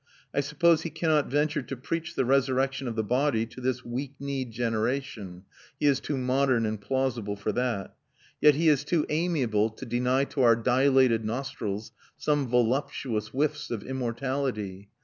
I suppose he cannot venture to preach the resurrection of the body to this weak kneed generation; he is too modern and plausible for that. Yet he is too amiable to deny to our dilated nostrils some voluptuous whiffs of immortality.